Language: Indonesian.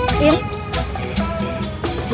itu yang velgak